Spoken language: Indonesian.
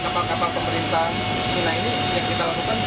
kapal kapal pemerintah china ini yang kita lakukan